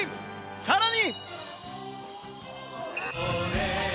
さらに。